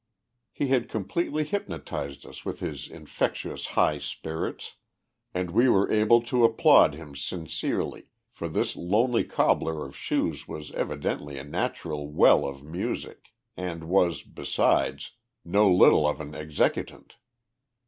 He had completely hypnotized us with his infectious high spirits, and we were able to applaud him sincerely, for this lonely cobbler of shoes was evidently a natural well of music, and was, besides, no little of an executant.